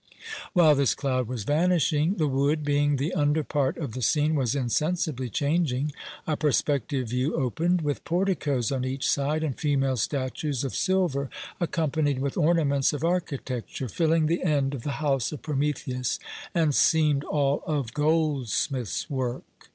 While this cloud was vanishing, the wood, being the under part of the scene, was insensibly changing; a perspective view opened, with porticoes on each side, and female statues of silver, accompanied with ornaments of architecture, filling the end of the house of Prometheus, and seemed all of goldsmiths' work.